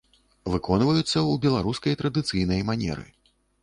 Выконваюцца ў беларускай традыцыйнай манеры.